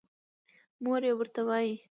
مور يې ورته وايې